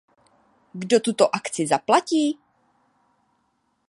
Kdo tuto akci zaplatí?